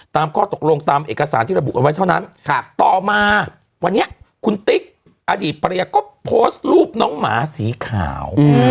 ข้อตกลงตามเอกสารที่ระบุเอาไว้เท่านั้นต่อมาวันนี้คุณติ๊กอดีตภรรยาก็โพสต์รูปน้องหมาสีขาว